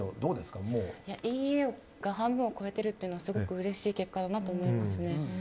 いいえが半分を超えているのはすごくうれしい結果だなと思いますね。